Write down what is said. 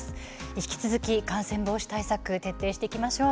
引き続き、感染防止対策を徹底していきましょう。